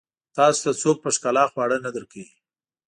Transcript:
تاسو ته څوک په ښکلا خواړه نه درکوي.